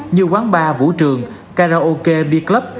như quán bar vũ trường karaoke b club